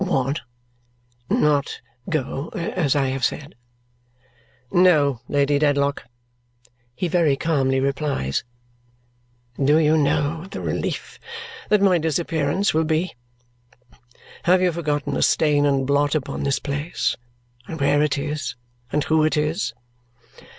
"What? Not go as I have said?" "No, Lady Dedlock," he very calmly replies. "Do you know the relief that my disappearance will be? Have you forgotten the stain and blot upon this place, and where it is, and who it is?"